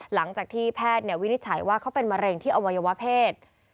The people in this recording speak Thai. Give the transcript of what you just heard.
หลังจากที่แพทย์วินิจฉัยว่าเขาเป็นมะเร็งที่อวัยวะเพศ